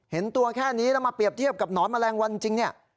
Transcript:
เห็นตัวแค่นี้แล้วมาเปรียบเทียบกับหนอนแมลงวันจริงเนี่ย